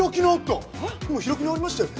今開き直りましたよね？